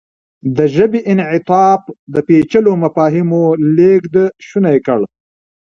د ژبې انعطاف د پېچلو مفاهیمو لېږد شونی کړ.